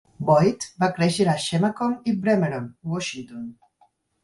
Boyd va créixer a Chimacum i Bremerton, Washington.